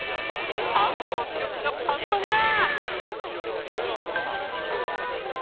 パンダの魅力がパンパンだ！